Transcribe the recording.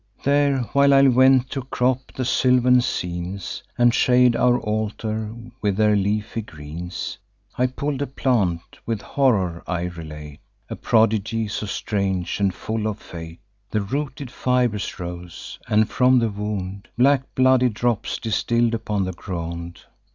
There, while I went to crop the sylvan scenes, And shade our altar with their leafy greens, I pull'd a plant; with horror I relate A prodigy so strange and full of fate. The rooted fibers rose, and from the wound Black bloody drops distill'd upon the ground.